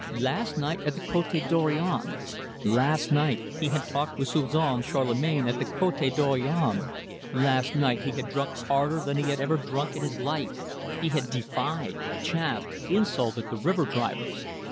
Last night at the Cote Dorion! Last night he had talked with Suzon Charlemagne at the Cote Dorion; last night he had drunk harder than he had ever drunk in his life, he had defied, chaffed, insulted the river drivers.